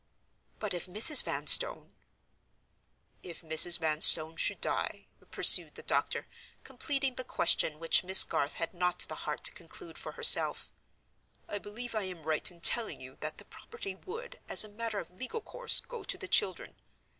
"But if Mrs. Vanstone—" "If Mrs. Vanstone should die," pursued the doctor, completing the question which Miss Garth had not the heart to conclude for herself, "I believe I am right in telling you that the property would, as a matter of legal course, go to the children.